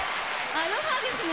アロハですね。